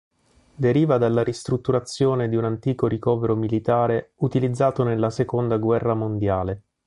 Deriva dalla ristrutturazione di un antico ricovero militare utilizzato nella seconda guerra mondiale.